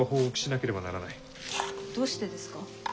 どうしてですか？